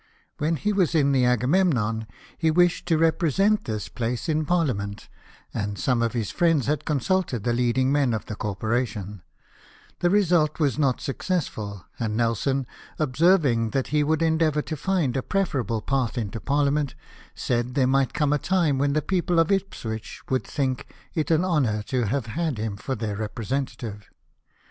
When he was in the AgameTnnon he wished to represent this place in Parliament, and some of his friends had consulted the leading men of the corporation ; the result was not successful, and Nelson, observing that he would endeavour to find a preferable path into Parliament, said there might come a time when the people of Ipswich would think it an honour to have had him for their representative.